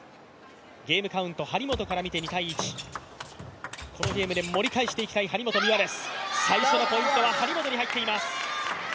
ゲームカウント、張本から見て２−１このゲームで盛り返していきたい張本美和です。